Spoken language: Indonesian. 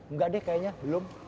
enggak deh kayaknya belum